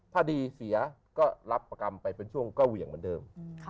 ถ้าดีเสียก็รับประกรรมไปเป็นช่วงก็เหวี่ยงเหมือนเดิม